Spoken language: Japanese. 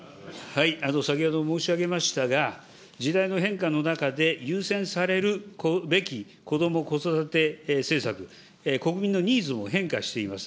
先ほど申し上げましたが、時代の変化の中で、優先されるべきこども・子育て政策、国民のニーズも変化しております。